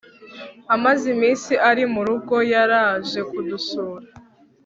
amaze iminsi ari murugo yaraje kudusura